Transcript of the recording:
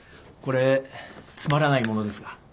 これつまらないものですが。